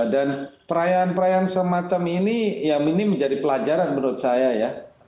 dan perayaan perayaan semacam ini yang ini menjadi pelajaran menurut saya ya